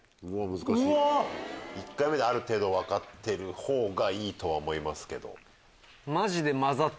１回目である程度分かってるほうがいいとは思いますけど。